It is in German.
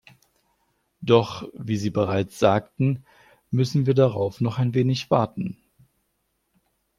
Doch, wie Sie bereits sagten, müssen wir darauf noch ein wenig warten.